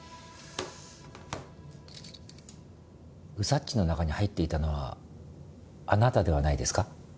ウサっチの中に入っていたのはあなたではないですか？